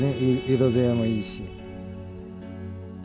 色艶もいいし。